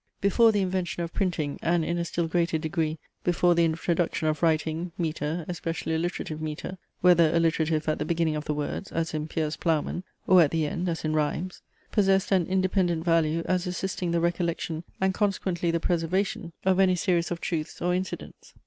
Before the invention of printing, and in a still greater degree, before the introduction of writing, metre, especially alliterative metre, (whether alliterative at the beginning of the words, as in PIERCE PLOUMAN, or at the end, as in rhymes) possessed an independent value as assisting the recollection, and consequently the preservation, of any series of truths or incidents.